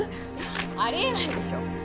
ありえないでしょ